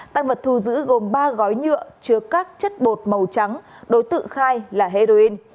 tăng vật thu giữ gồm ba gói nhựa chứa các chất bột màu trắng đối tượng khai là heroin